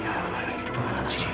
ya allah itu anak si yuli